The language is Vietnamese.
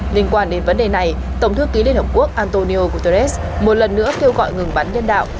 liên quan đến vấn đề này tổng thư ký liên hợp quốc antonio guterres một lần nữa kêu gọi ngừng bắn nhân đạo